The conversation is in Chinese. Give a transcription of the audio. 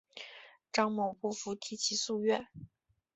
张某不服提起诉愿。